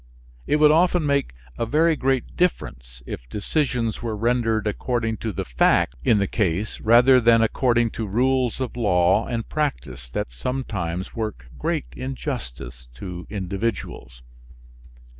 It would often make a very great difference if decisions were rendered according to the facts in the case rather than according to rules of law and practice, that sometimes work great injustice to individuals.